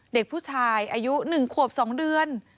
เด็กผู้ชายอายุ๑ขวบ๒เดือน